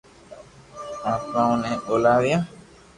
آتمائون ني ٻولاويو